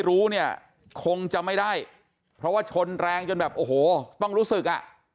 รู้เนี่ยคงจะไม่ได้เพราะว่าชนแรงจนแบบโอ้โหต้องรู้สึกอ่ะ